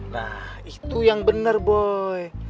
nah itu yang benar boy